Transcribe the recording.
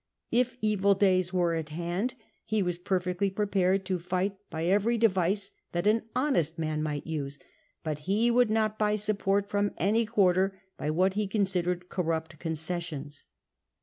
If evil days were at hand, he was perfectly prepared to fight, by every device that an honest man might use ; but he would not buy support from any quarter by what he considered corrupt concessions.